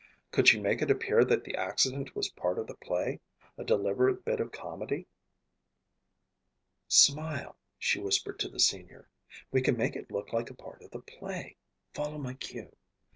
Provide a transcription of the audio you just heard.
Could she make it appear that the accident was a part of the play, a deliberate bit of comedy? "Smile," she whispered to the senior. "We can make it look like a part of the play. Follow my cue."